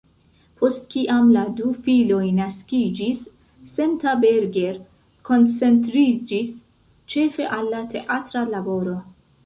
Post kiam la du filoj naskiĝis, Senta Berger koncentriĝis ĉefe al la teatra laboro.